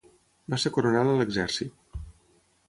Va ser coronel a l'Exèrcit.